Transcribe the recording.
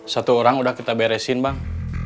satu orang udah kita beresin bang